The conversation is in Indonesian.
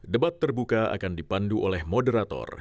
debat terbuka akan dipandu oleh moderator